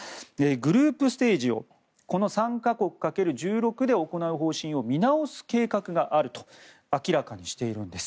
グループステージをこの３か国掛ける１６で行う方針を見直す計画があると明らかにしているんです。